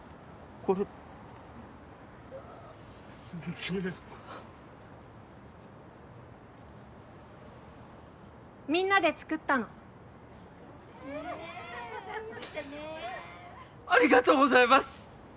これすげえみんなで作ったのありがとうございます